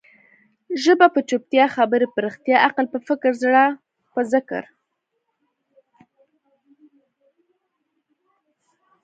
ژبه په چوپتيا، خبري په رښتیا، عقل په فکر، زړه په ذکر.